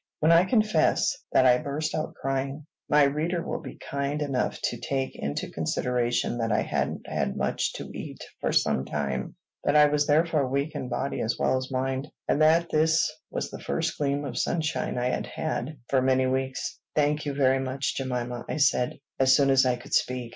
When I confess that I burst out crying, my reader will be kind enough to take into consideration that I hadn't had much to eat for some time; that I was therefore weak in body as well as in mind; and that this was the first gleam of sunshine I had had for many weeks. "Thank you very much, Jemima," I said, as soon as I could speak.